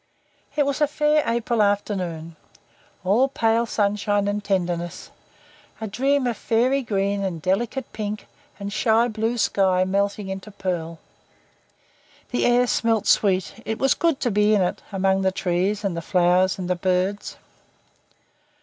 It was a fair April afternoon, all pale sunshine and tenderness. A dream of fairy green and delicate pink and shy blue sky melting into pearl. The air smelt sweet. It was good to be in it, among the trees and the flowers and the birds.